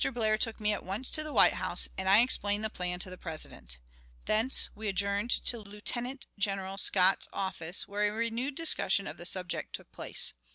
Blair took me at once to the White House, and I explained the plan to the President. Thence we adjourned to Lieutenant General Scott's office, where a renewed discussion of the subject took place.